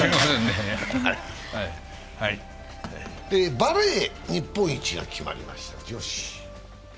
バレー日本一が決まりました、女子。